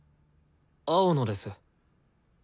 青野です。